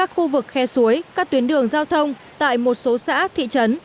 khu vực khe suối các tuyến đường giao thông tại một số xã thị trấn